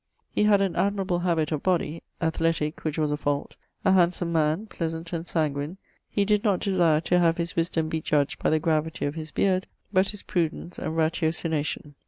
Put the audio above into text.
He had an admirable habit of body (athletique, which was a fault), a handsome man, pleasant and sanguine; he did not desire to have his wisdome be judged by the gravity of his beard, but his prudence and ratiotination.